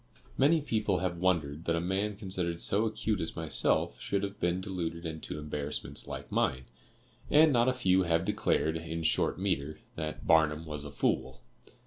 "Many people have wondered that a man considered so acute as myself should have been deluded into embarrassments like mine, and not a few have declared, in short metre, that 'Barnum was a fool.